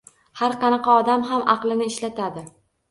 Har qanaqa odam ham aqlini ishlatadi.